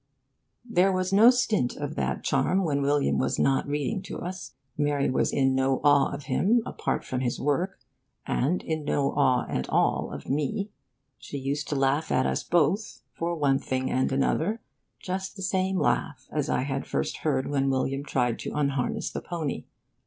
There was no stint of that charm when William was not reading to us. Mary was in no awe of him, apart from his work, and in no awe at all of me: she used to laugh at us both, for one thing and another just the same laugh as I had first heard when William tried to unharness the pony.